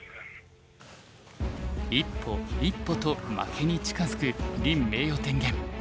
一歩一歩と負けに近づく林名誉天元。